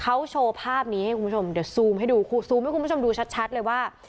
เขาโชว์ภาพนี้ให้คุณผู้ชมเดี๋ยวซูมให้ดูซูมให้คุณผู้ชมดูชัดเลยว่า